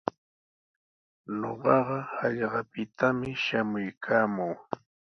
Ñuqaqa hallqapitami shamuykaamuu.